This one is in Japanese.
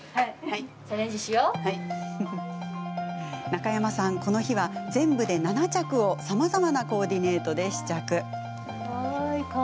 中山さん、この日は全部で７着をさまざまなコーディネートで試着。